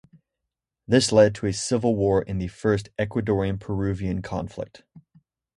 This led to a civil war and the first Ecuadorian-Peruvian conflict.